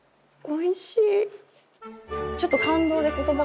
おいしい！